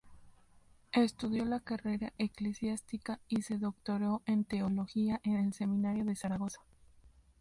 Estudió la carrera eclesiástica y se doctoró en teología en el seminario de Zaragoza.